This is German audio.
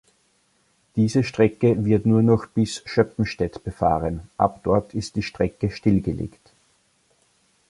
Diese Strecke wird nur noch bis Schöppenstedt befahren; ab dort ist die Strecke stillgelegt.